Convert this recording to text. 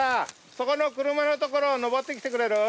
そこの車の所を上って来てくれる？